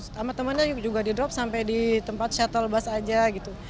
sama temannya juga di drop sampai di tempat shuttle bus aja gitu